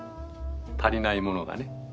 足りないものがね。